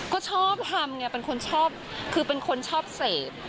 ก็ชอบทำไงเป็นคนชอบคือเป็นคนชอบเสพ